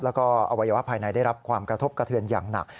แล้วก็อวัยวะภายในได้รับความกระทบกระเทือนอย่างหนัก